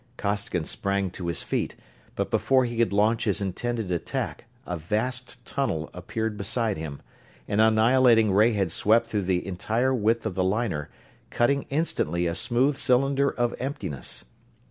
Costigan sprang to his feet, but before he could launch his intended attack a vast tunnel appeared beside him an annihilating ray had swept through the entire width of the liner, cutting instantly a smooth cylinder of emptiness.